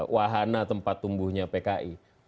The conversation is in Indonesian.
wahana tempat tumbuhnya pki